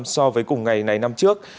năm mươi sáu hai so với cùng ngày này năm trước